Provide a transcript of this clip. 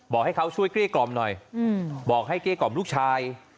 บอกให้เขาช่วยเกรกลอมหน่อยบอกให้เกรกลอมลูกชาย